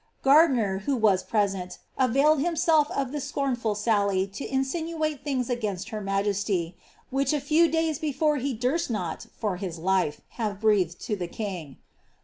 * Gardiner, who was present, availed himself of this scornful sally to insinuate things against her majesty, which a few days before he durst not, for his life, have breathed to the king.